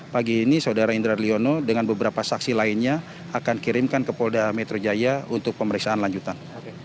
pagi ini saudara indra liono dengan beberapa saksi lainnya akan kirimkan ke polda metro jaya untuk pemeriksaan lanjutan